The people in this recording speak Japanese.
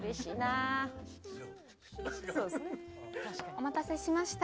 お待たせしました。